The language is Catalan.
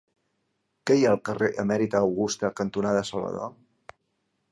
Què hi ha al carrer Emèrita Augusta cantonada Salvador?